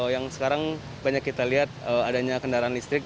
yang sekarang banyak kita lihat adanya kendaraan listrik